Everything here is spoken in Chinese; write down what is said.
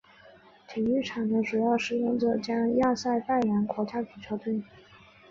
体育场的主要使用者将为亚塞拜然国家足球队。